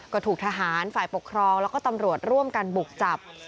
ก็ถูกทหารฝ่ายปกครองแล้วก็ตำรวจร่วมกันบุกจับ